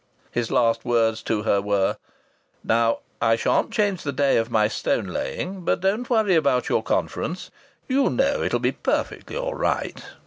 His last words to her were: "Now I shan't change the day of my stone laying. But don't worry about your Conference. You know it'll be perfectly all right!"